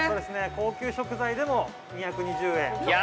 高級食材でも２２０円。